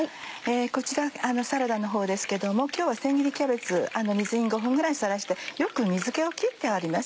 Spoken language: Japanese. こちらはサラダのほうですけども今日はせん切りキャベツ水に５分ぐらいさらしてよく水気を切ってあります。